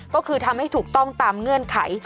ก็คือทำให้ถูกต้องตามเงื่อนไข